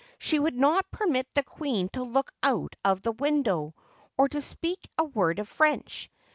She would not permit the queen to look out of the window, or to speak a word of French.